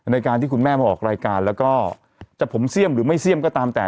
ในการที่คุณแม่มาออกรายการแล้วก็จะผมเสี่ยมหรือไม่เสี่ยมก็ตามแต่